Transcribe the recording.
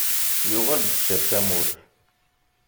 Yuɣal-d sser tamurt!